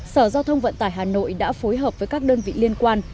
sở giao thông vận tải hà nội đã phối hợp với các đơn vị liên quan